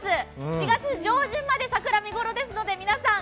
４月上旬まで桜見頃ですので皆さん